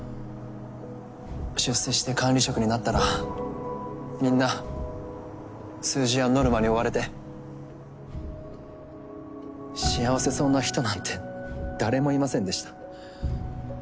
出世して管理職になったらみんな数字やノルマに追われて幸せそうな人なんて誰もいませんでした。